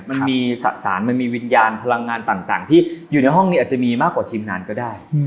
มันมีสะสารมันมีวิญญาณพลังงานต่างที่อยู่ในห้องนี้อาจจะมีมากกว่าทีมงานก็ได้